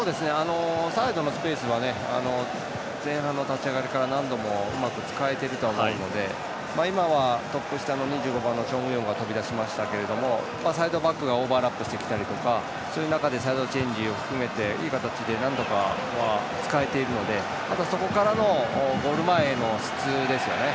サイドのスペースは前半の立ち上がりから何度もうまく使えていると思うので今はトップ下の２５番のチョン・ウヨンが飛び出しましたけどオーバーラップしてきたりとかその中でサイドチェンジとかでいい形で何度かは使えているのでそこからのゴール前の質ですよね。